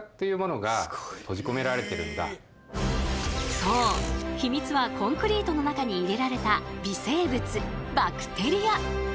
そう秘密はコンクリートの中に入れられた微生物バクテリア。